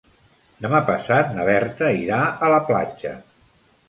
Demà passat na Berta irà a la platja.